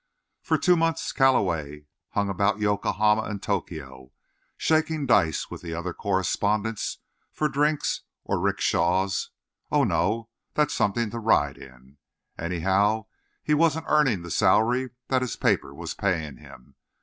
For two months Calloway hung about Yokohama and Tokio, shaking dice with the other correspondents for drinks of 'rickshaws—oh, no, that's something to ride in; anyhow, he wasn't earning the salary that his paper was paying him.